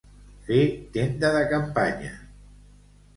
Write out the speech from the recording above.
Fer tenda de campanya.